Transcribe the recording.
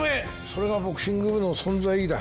それがボクシング部の存在意義だ。